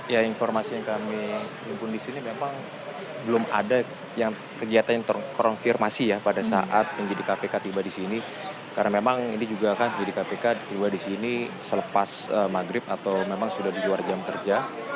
ya informasi yang kami impun di sini memang belum ada kegiatan yang terkonfirmasi ya pada saat penyidik kpk tiba di sini karena memang ini juga kan penyidik kpk tiba di sini selepas maghrib atau memang sudah di luar jam kerja